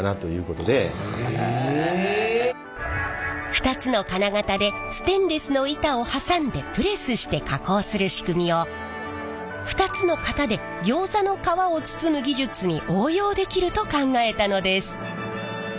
２つの金型でステンレスの板を挟んでプレスして加工する仕組みを２つの型でギョーザの皮を包む技術に応用できると考えたのです。